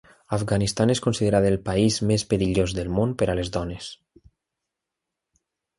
Afganistan és considerat el país més perillós del món per a les dones.